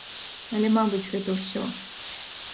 Але, мабыць, гэта ўсё.